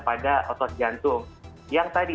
pada otot jantung yang tadi